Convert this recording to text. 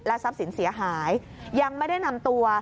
ทรัพย์สินเสียหายยังไม่ได้นำตัว